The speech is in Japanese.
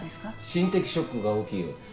心的ショックが大きいようです。